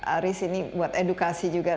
aris ini buat edukasi juga